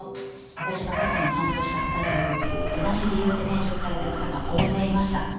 私が過去に担当した方でも同じ理由で転職された方が大勢いました。